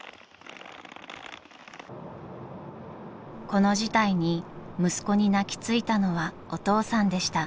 ［この事態に息子に泣き付いたのはお父さんでした］